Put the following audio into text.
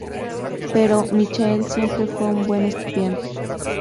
Pero, Michael siempre fue un buen estudiante.